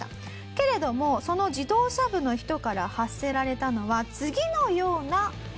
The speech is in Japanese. けれどもその自動車部の人から発せられたのは次のような言葉でした。